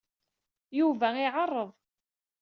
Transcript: Yuba iɛerreḍ.